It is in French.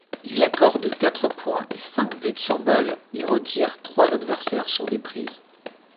Il accorde quatre points et cinq buts-sur-balles et retire trois adversaires sur des prises.